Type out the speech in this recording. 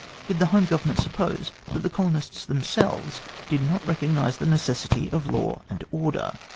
Did the Home Government suppose that the colonists them selves did not recognise the necessity of law and order?